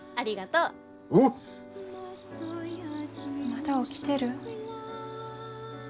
まだ起きてる？